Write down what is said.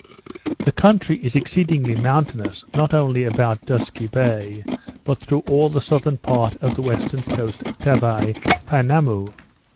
The country is exceedingly mountainous, not only about Dusky Bay, but through all the southern part of this western coast of Tavai Poenammoo.